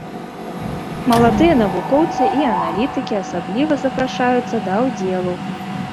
Маладыя навукоўцы і аналітыкі асабліва запрашаюцца да ўдзелу.